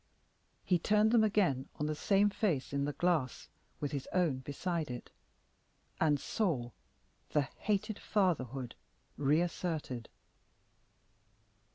He turned them on the same face in the glass with his own beside it, and saw the hated fatherhood reasserted.